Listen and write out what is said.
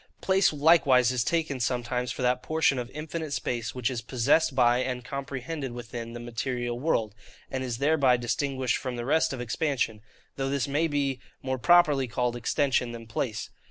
Place likewise is taken sometimes for that portion of infinite space which is possessed by and comprehended within the material world; and is thereby distinguished from the rest of expansion; though this may be more properly called extension than place.